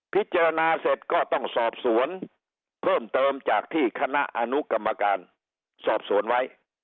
เสร็จก็ต้องสอบสวนเพิ่มเติมจากที่คณะอนุกรรมการสอบสวนไว้